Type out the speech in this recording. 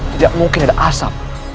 tidak mungkin ada asap